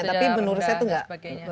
tapi menurut saya itu nggak